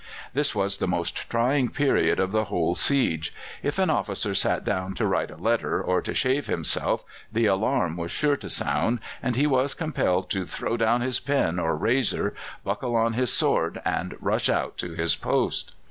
This was the most trying period of the whole siege. If an officer sat down to write a letter or to shave himself the alarm was sure to sound, and he was compelled to throw down his pen or razor, buckle on his sword, and rush out to his post.